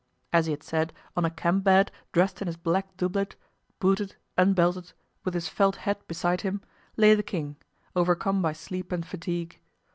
As he had said, on a camp bed, dressed in his black doublet, booted, unbelted, with his felt hat beside him, lay the king, overcome by sleep and fatigue.